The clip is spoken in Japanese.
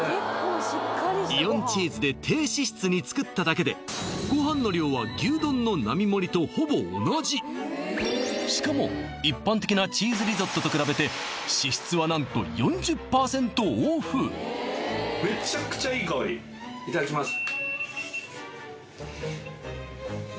イオンチーズで低脂質に作っただけでご飯の量は牛丼の並盛とほぼ同じしかも一般的なチーズリゾットと比べて脂質は何と４０％オフいただきます